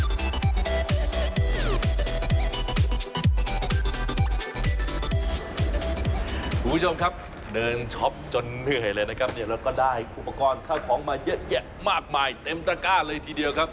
คุณผู้ชมครับเดินช็อปจนเหนื่อยเลยนะครับเนี่ยเราก็ได้อุปกรณ์ข้าวของมาเยอะแยะมากมายเต็มตระก้าเลยทีเดียวครับ